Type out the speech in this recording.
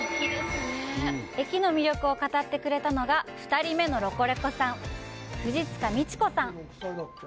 駅の魅力を語ってくれたのが、２人目のロコレコさん、藤塚美智子さん。